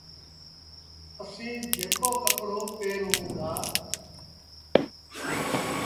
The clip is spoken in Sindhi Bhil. اسيٚݩ جيڪو ڪپڙو پهرون دآ